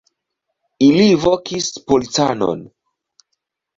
Ili vokis policanon.